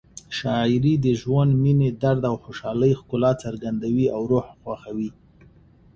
شاعري د ژوند، مینې، درد او خوشحالۍ ښکلا څرګندوي او روح خوښوي.